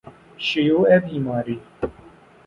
شیوع بیماری